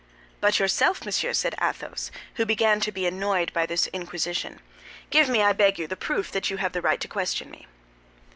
"But yourself, monsieur," said Athos, who began to be annoyed by this inquisition, "give me, I beg you, the proof that you have the right to question me."